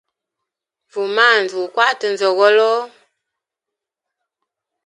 Fuma haza gukwate nzoogolo.